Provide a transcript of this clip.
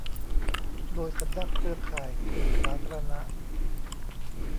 โดย สำนักเครือข่ายสื่อสาธารณะ